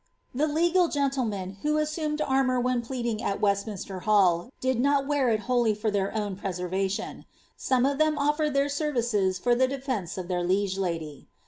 ' The legal gentlemen, who assumed armour when pleading at West minster Hall, did not wear it wholly for their own preservation ; some of them oflered their services for the defence of their li^re lady.